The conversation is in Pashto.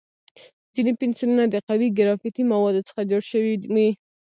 ځینې پنسلونه د قوي ګرافیتي موادو څخه جوړ شوي وي.